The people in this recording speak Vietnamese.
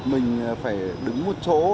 mình phải đứng một chỗ